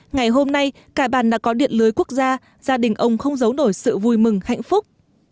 ngày hôm nay cả bàn đã có điện lưới quốc gia gia đình ông không giấu nổi sự vui mừng hạnh phúc